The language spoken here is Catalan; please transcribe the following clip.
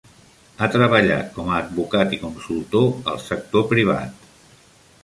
Ha treballat com a advocat i consultar al sector privat.